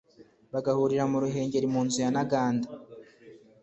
bagahurira mu Ruhengeri mu nzu ya Ntaganda